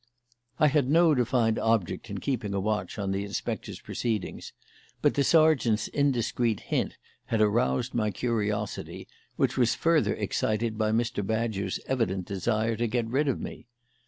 I had no defined object in keeping a watch on the inspector's proceedings; but the sergeant's indiscreet hint had aroused my curiosity, which was further excited by Mr. Badger's evident desire to get rid of me.